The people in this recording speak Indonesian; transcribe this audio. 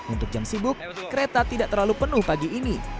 untuk jam sibuk kereta tidak terlalu penuh pagi ini